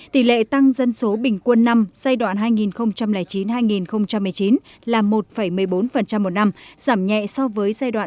tỷ lệ tăng dân số bình quân năm giai đoạn hai nghìn chín hai nghìn một mươi chín là một một mươi bốn một năm giảm nhẹ so với giai đoạn một nghìn chín trăm chín mươi chín hai nghìn chín